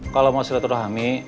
kalo mau sileturhami